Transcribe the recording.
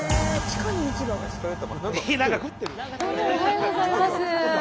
どうもおはようございます。